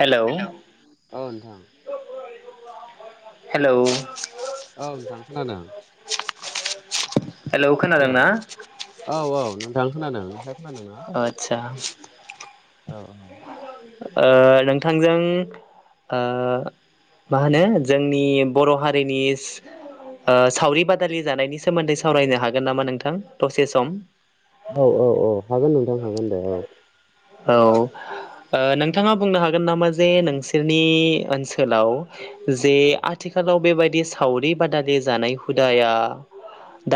Hello hello ओ नोंथां hello औ नोंथां खोनादों हेलौ हेल' खोनादोंना औ औ नोंथां खोनादों नोंथांआ खोनादों ना आदसा ओ नोंथांजों ओ मा होनो जोंनि बर' हारिनि ओ‌ सावरि बादालि जानायनि सोमोन्दै सावरायनो हागोन नामा नोंथां दसे सम औ औ औ हागोन नोंथां हागोन दे औ औ ओ नोंथाङा बुंनो हागोन नामा जे नोंसोरनि ओनसोलाव जे औ आथिखालाव बेबायदि सावरि बादालि जानाय हुदाया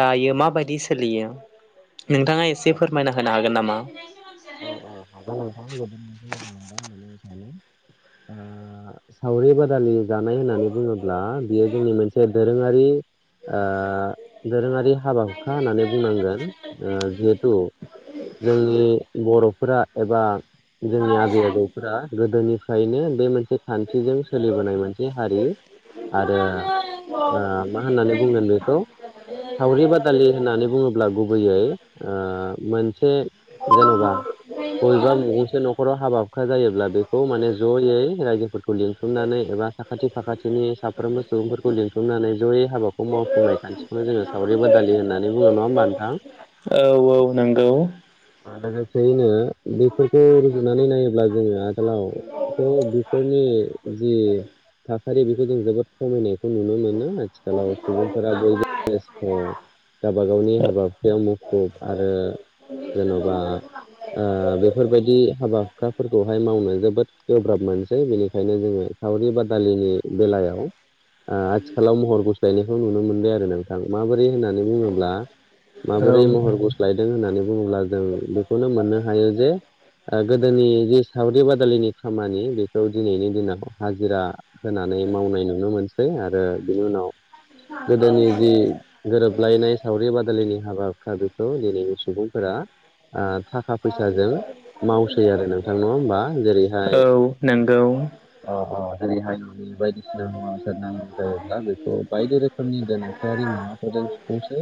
दायो माबायदि सोलियो नोंथाङा एसे औ फोरमायना होनो हागोन नामा औ [unintelligible] ओ सावरि बादालि जानाय होननानै बुङोब्ला बियो जोंनि मोनसे दोरोङारि ओ दोरोङारि हाबा हुखा होननानै बुंनांगोन जिहेथु जोंनि बर'फोरा एबा जोंनि आजै आजौफोरा गोदोनिफ्रायनो बे मोनसे खान्थिजों सोलिबोनाय मोनसे हारि आरो ओ मा होननानै बुंगोन बेखौ सावरि बादालि होननानै बुङोब्ला गुबैयै ओ मोनसे जेन'बा बबेबा गंसे न'खराव हाबा हुखा जायोब्ला बेखौ माने ज'यै रायजोफोरखौ लिंथुमनानै एबा साखाथि फाखाथिनि साफ्रोमबो सुबुंफोरखौ लिंथुमनानै जयै हाबाखौ मावफुंनाय खान्थिखौनो जोङो सावरि बादालि होननानै बुङो नङा होमबा नोंथां? औ औ नंगौ लोगोसेयैनो बेफोरखौ रुजुनानै नायोब्ला जोङो आगोलावथ' बेफोरनि जि थासारि बेखौ जों जोबोद खमायनाय नुनो मोनो आथिखालाव सुबुंफोरा बयबो बेस्थ' गावबा गावनि हाबा हुखायाव मुखुब आरो जेन'बा बेफोरबायदि हाबा हुखाफोरखौहाय मावनो जोबोद गोब्राब मोनसै बेनिखायनो जोङो सावरि बादालिनि बेलायाव आथिखालाव महर गुस्लायनायखौ नुनो मोनबाय आरो नोंथां माबोरै होननानै बुङोब्ला माबोरै औ महर गुस्लायदों होननानै बुङोब्ला जों बेखौनो मोननो हायो जे गोदोनि जि सावरि बादालिनि खामानि बेखौ दिनैनि दिनाव हाजिरा होनानै मावनाय नुनो मोनसै आरो बिनि उनाव गोदोनि जि गोरोबलायनाय सावरि बादालिनि हाबा बेखौ दिनै सुबुंफोरा थाखा फैसाजों मावसै आरो नोंथांनो हबा औ जेरैहाय नंगौ अ अ जेरैहाय न'नि बायदिसिना मुवा बेसाद नांगौ जायोब्ला बेखौ बायदि रोखोमनि गोनोखोआरि मुवाफोरजोंखौसो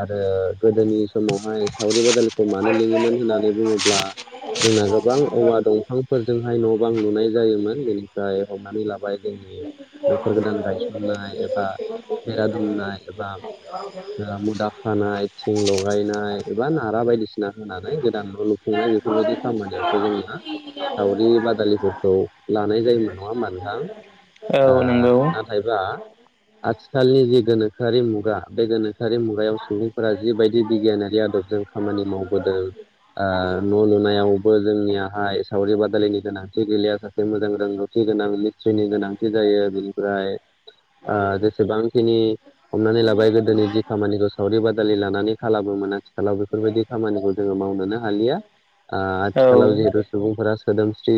आरो गोदोनि समावहाय सावरि बादालिखौ मानो लिङोमोन होननानै बुङोब्ला जोंना गोबां औवा दंफांफोर जोंहाय न' बां लुनाय जायोमोन बेनिफ्राय हमनानै लाबाय जोंनि न'खर गोदान गायसननाय एबा बेरा दुमनाय एबा मुदा खानाय थिं लगायनाय एबा नारा बायदिसिना फसिना होनानै गोदानल' लुफुंनाय बेफोरबायदि खामानियावसो जोंना सावरिनि बादालिफोरखौ लानाय जायोमोन नङा होमबा नोंथां? औ नंगौ नाथायबा आथिखालनि जि गोनोखोआरि मुगा बे गोनोखो भासारि मुगायाव सुबुंफोरा जिबायदि बिगियानारि आदबजों खामानि माव न' लुनायावबो जोंनियाहाय सावरि बादालिनि गोनांथि गैया जाथसे मोजां रांगौथि होनोनां नि गोनांथि जायो बिनिफ्राय जेसेबांखिनि हमनानै लाबाय गोदो नि जि खामानिखौ सावरि बादालि लानानै खालामोमोन आथिखालाव बेफोरबायदि खामानिखौ जोङो मावनोनो हालिया औ आथिखालाव जिहेतु सुबुंफोरा सोदोमस्रि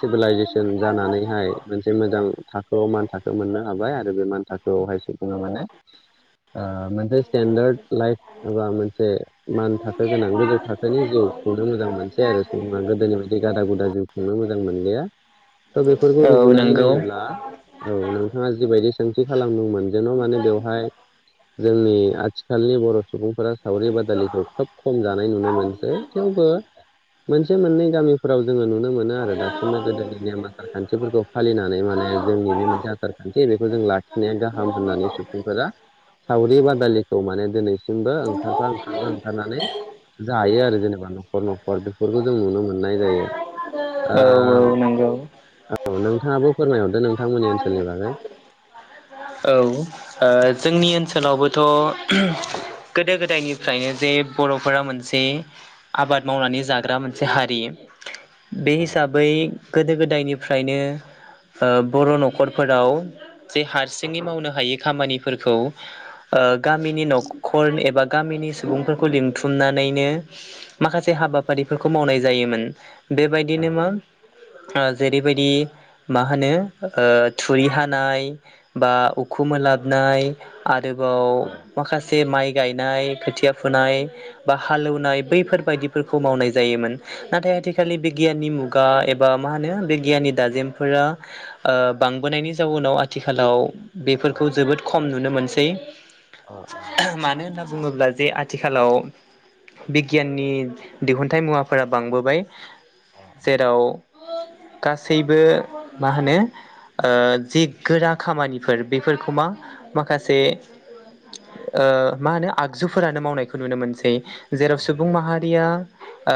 सिभिलाइजेसन जानानैहाय मोनसे मोजां थाखोआव मान थाखो मोननो हाबाय आरो बे मान थाखोआवहायसो बुङो माने मोनसे स्टेेनडार्द लाइफ एबा मोनसे मान थाखो गोनां गोजौ थाखोनि जिउ खुंनो मोजां मोनसे आरो सुबुङा गोदोनि बदि गादा गुदा जिउ खुंनो मोजां मोन मोनलिया थ' बेफोरखौ औ रुजुनानै नंगौ नायोब्ला औ नोंथाङा जिबायदि सोंथि खालामदोंमोन जेन' माने बेवहाय जोंनि आथिखालनि बर' सुबुंफोरा सावरि बादालि खोब खम जानाय नुनो मोनसै थेवबो मोनसे मोननै गामिफोराव जोङो नुनो मोनो आरो दासिमबो गोदोनि नेम आसार खान्थिफोरखौ फालिनानै माने जोंनि बे मोनसे आसार खान्थि बेखौ जों लाखिनाया गाहाम होननानै सुबुंफोरा सावरि बादालिखौ माने दिनैसिम ओंखारा ओंखारा ओंखारनानै जायो आरो जेनेबा न'खर न'खर बेफोरखौ जों नुनो मोननाय जायो। ओ औ औ नं। औ नोंथाङाबो फोरमायहरदो नोंथांमोननि ओनसोलनि बागै? औ जोंनि ओनसोलावबोथ' गोदो गोदायनिफ्रायनो जे बे बर'फोरा मोनसे आबाद मावनानै जाग्रा मोनसे हारि बे हिसाबै गोदो गोदायनिफ्रायनो बर' न'खरफोराव जे हारसिं नि मावनो हायै खामानिफोरखौ गामिनि न'खर एबा गामिनि सुबुं लिंथुमनानैनो माखासे हाबाफारिफोरखौ मावनाय जायोमोन। बेबायदिनो मा जेरैबायदि मा होनो थुरि हानाय बा उख मोनोलाबनाय आरोबाव माखासे माइक गायनाय खोथिया फुनाय बा हालेवनाय बैफोर बाददिफोरखौ मावनाय जायोमोन नाथाय आथिनि बिगियाननि मुगा एबा मा होनो बिगियाननि दाजेमफोरा बांबोनायनि जाउनाव आथिखालाव बेफोरखौ जोबोद खम नुनो मोनसै मानो होनना बुङोब्ला जे आथिखालाव बिगियाननि दिहुनन्थाइ मुवाफोरा बांबोबाय जेराव गासैबो मा होनो ओ जे गोरा खामानि फोर बेफोरखौ मा माखासे ओ मा होनो आगजुफोरानो मावनायखौ नुनो मोनसै जेराव सुबुं माहारिया आ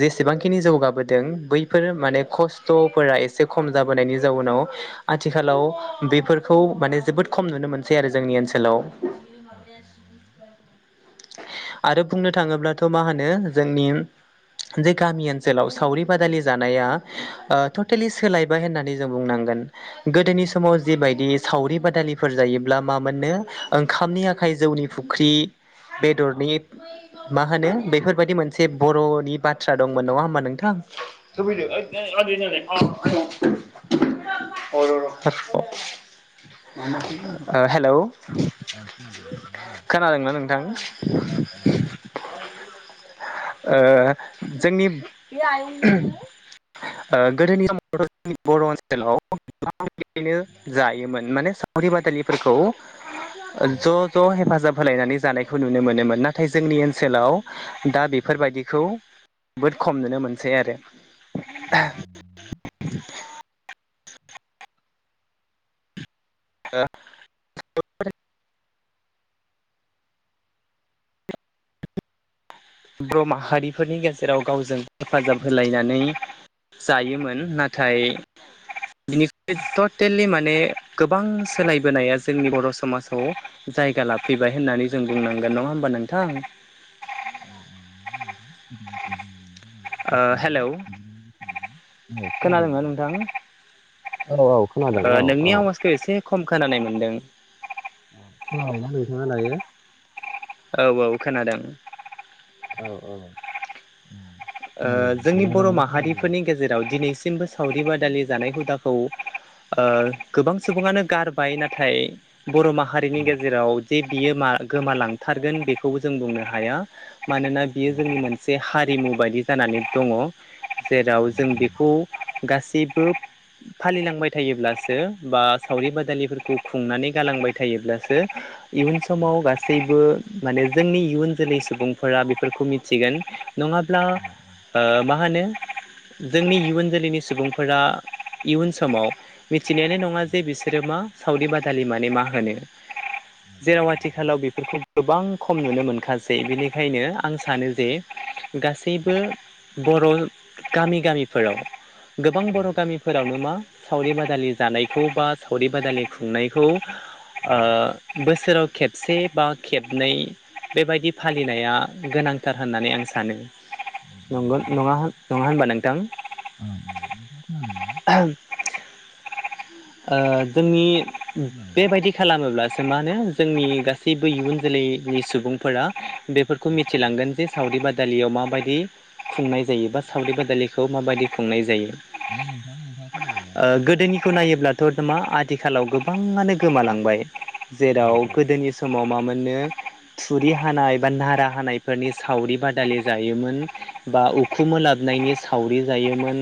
जेसेबांखिनि जौगाबोदों बैफोर माने खस्थ'फोरा एसे खम जाबोनायनि जाउनाव आथिखालाव बेफोरखौ माने जोबोद खम नुनो मोनसै आरो जोंनि ओनसोलाव [inaudible] आरो बुंनो थाङोब्लाथ' मा होनो जोंनि जे गामि ओनसोलाव सावरि बादालि जानाया ओ टटेलि सोलायबाय होननानै जों बुंनांगोन गोदोनि बायदि सावरि बादालिफोर जायोब्ला मा मोननो ओंखामनि आखाइ जौनि फुख्रि बेदरनि मा होनो बेफोरबायदि मोनसे बर'नि बाथ्रा दंमोन नङा होमबा नोंथां [unintelligible] ओ हेल' खोनादोंना नोंथां ओ जोंनि [unintelligible] ओ गोदोनि [inaudible] जोंनि बर' ओनसोलाव [unintelligible] जायोमोन माने सावरि बादालिफोरखौ ज' ज' हेफाजाब होलायनानै जानायखौ नुनो मोनोमोन नाथाय जोंनि ओनसोलाव दा बेफोरबायदिखौ जोबोद खम नुनो मोनसै आरो हो [unintelligible] बर' माहारिफोरनि गेजेराव गावजों हेफाजाब होलायनानै जायोमोन नाथाय बिनिफ्राय टटेलि माने गोबां सोलायबोनाया जोंनि बर' समाजाव जा जायगा लाफैबाय होननानै जों बुंनांगोन नङा होमबा नोंथां [inaudible] ओ खोनादों नोंथां ओ नोंनि आवाजखौ एसे खम खोनानाय मोनदों खोनाबायना नोंथाङा दायो औ औ खोनादों औ औ ओ जोंनि बर' माहारिफोरनि गेजेराव दिनै सिमबो सावरि बादालि जानाय हुदाखौ ओ गोबां सुबुङानो गारबाय नाथाय बर' माहारिनि गेजेराव जे बियो गोमालांथारगोन बेखौबो जों बुंनो हाया मानोना बियो जोंनि मोनसे हारिमु बायदि जानानै दङ जेराव जों बेखौ गासैबो फालिलांबाय थायोब्लासो बा सावरि बादालिफोरखौ खुंनानै गालांबाय बाय थायोब्लासो इयुन समाव गासैबो माने जोंनि इयुन जोलै सुबुंफोरा बेफोरखौ मिथिगोन नङाब्ला ओ मा होनो जोंनि इयुन जोलैनि सुबुंफोरा इयुन समाव मिथिनायानो नङा जे बिसोरो मा सावरि बादालि माने मा होनो जेराव आथिखालाव बेफोरखौ गोबां खम नुनो मोनखासै बेनिखायनो आं सानो जे गासैबो बर' गामि गामिफोराव गोबां बर' गामिफोरावनो मा सावरि बादालि जानायखौ बा सावरि बादालि खुंनायखौ ओ बोसोराव खेबसे बा खेबनै बेबायदि फालिनाया गोनांथार होननानै आं सानो। नंगौ नङा नङा होनबा नोंथां। [inaudible] ओ जोंनि बेबायदि खालामोब्ला मा होनो जोंनि गासैबो इयुन जोलैनि सुबुंफोरा बेफोरखौ मिथिलांगोन जे सावरि बादालियाव माबायदि खुंनाय जायो बा सावरि बादालिखौ माबायदि खुंनाय जायो। ओ गोदोनिखौ नायोब्लाथ' मा आथिखालाव गोबाङानो गोमालांबाय। जेराव गोदोनि समाव मा मोनोननो थुरि हानाय बा नारा हानायफोरनि सावरि बादालि जायोमोन। बा उखुम ओलाबनायनि सावरि जायोमोन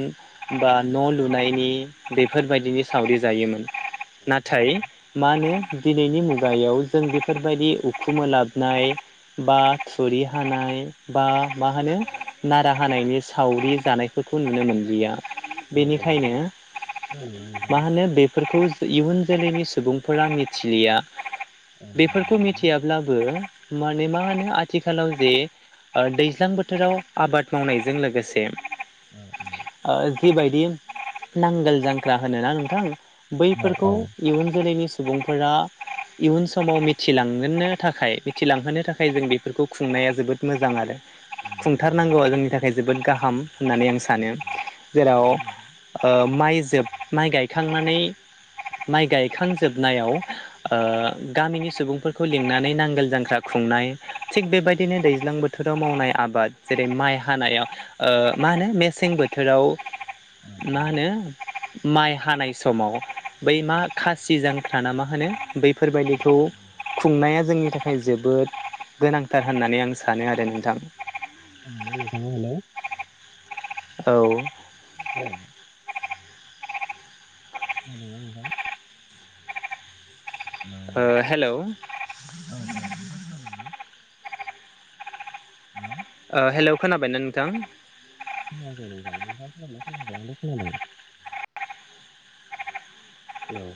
बा न' लुनायनि बेफोरबायदिनि सावरि जायोमोन नाथाय मा होनो दिनैनि मु गायाव जों बेफोरबायदि उखुम ओलाबनाय बा थुरि हानाय बा मा होनो नारा हानायनि सावरि जानायफोरखौ नुनो मोनलिया। बेनिखायनो मा होनो बेफोरखौ इयुन जोलैनि सुबुंफोरा मिथिलिया बेफोरखौ मिथियाब्लाबो माने मा होनो आथिखालाव जे दैज्लां बोथोराव आबाद मावनायजों लोगोसे ओ जिबायदि नांगोल जांख्रा होनो ना नोंथां बैफोरखौ इयुन जोलैनि सुबुंफोरा इयुन समाव मिथिलां गोननो थाखाय मिथिलांहोनो थाखाय जों बेफोरखौ खुंनाया जोबोद मोजां आरो थारनांगौआ जोंनि थाखाय जोबोद गाहाम होननानै आं सानो जेराव ओ माइ माइ गायखांनानै माइ गायखांजोबनायाव ओ गामिनि सुबुं फोरखौ लिंनानै नांगोल जांख्रा खुंनाय थिग बेबायदिनो दैज्लां बोथोराव मावनाय आबाद जेरै माइ हानायाव ओ मा होनो मेसें बोथोराव मा होनो माइ हानाय समाव बै मा खासि जांख्रा ना मा होनो बैफोरबायदिखौ खुंनाया जोंनि थाखाय जोबोद गोनांथार होननानै आं सानो आरो नोंथां। [inaudible] औ [inaudible] ओ हेलौ। [unintelligible] ओ हेलौ खोनाबायना नोंथां? खोनायाखै नोंथां नोंथाङा खोनादों ना खोनायाखै आंथ' खोनादों। औ